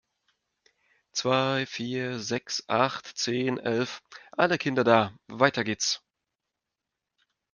Zwei, Vier, Sechs, Acht, Zehn, Elf, alle Kinder da! Weiter geht's.